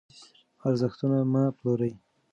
ارزښتونه مه پلورئ.